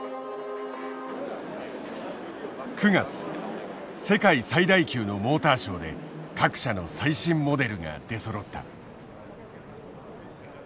９月世界最大級のモーターショーで各社の最新モデルが出そろった。